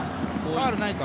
ファウルないか？